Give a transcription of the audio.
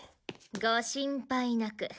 ご心配なく。